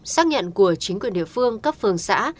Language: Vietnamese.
xác nhận của chính quyền địa phương cấp phường xã